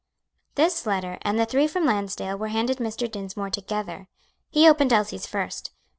This letter and the three from Lansdale were handed Mr. Dinsmore together. He opened Elsie's first.